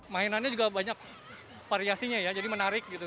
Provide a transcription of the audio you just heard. mainannya juga banyak variasinya ya jadi menarik gitu